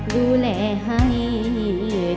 ดูแลให้ดี